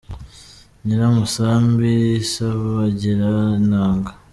Nyiramusambi isabagirira inanga.